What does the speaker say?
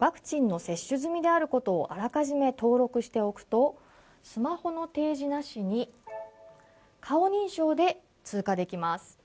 ワクチンの接種済みであることをあらかじめ登録しておくとスマホの提示なしに顔認証で通過できます。